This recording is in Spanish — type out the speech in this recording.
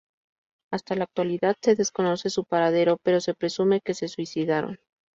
Hasta la actualidad se desconoce su paradero, pero se presume que se suicidaron.